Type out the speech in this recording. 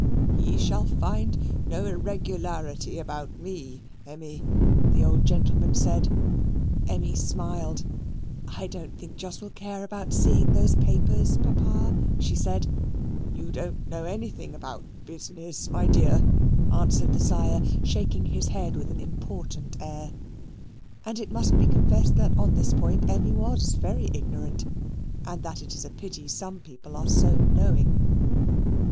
"He shall find no irregularity about ME, Emmy," the old gentleman said. Emmy smiled. "I don't think Jos will care about seeing those papers, Papa," she said. "You don't know anything about business, my dear," answered the sire, shaking his head with an important air. And it must be confessed that on this point Emmy was very ignorant, and that is a pity some people are so knowing.